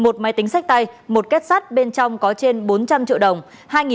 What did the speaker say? một máy tính sách tay một kết sắt bên trong có trên bốn trăm linh triệu đồng